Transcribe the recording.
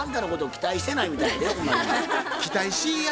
期待しいや